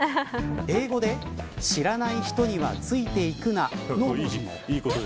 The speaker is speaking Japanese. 英語で知らない人にはついて行くなの文字。